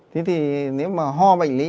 thế thì nếu mà ho bệnh lý